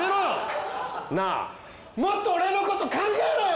もっと俺の事考えろよ！